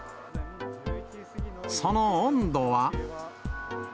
その温度は。